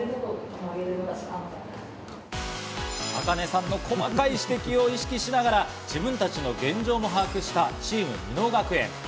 ａｋａｎｅさんの細かい指摘を意識しながら、自分たちの現状を把握したチーム箕面学園。